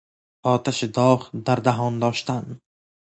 آش داغ در دهان داشتن